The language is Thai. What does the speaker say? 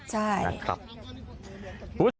ใช่นะครับอุ๊ย